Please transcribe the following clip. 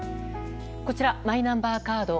こちら、マイナンバーカード。